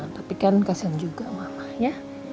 tapi kan kasihan juga mama ya